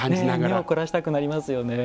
目を凝らしたくなりますよね。